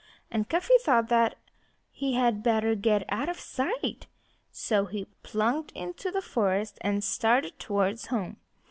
And Cuffy thought that he had better get out of sight. So he plunged into the forest and started toward home.